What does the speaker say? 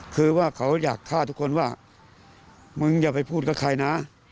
คือว่าเขาอยากฆ่าทุกคนว่ามึงอย่าไปพูดกับใครนะ